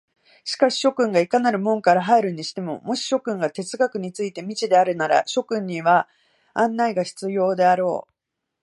しかし諸君がいかなる門から入るにしても、もし諸君が哲学について未知であるなら、諸君には案内が必要であろう。